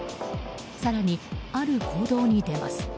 更に、ある行動に出ます。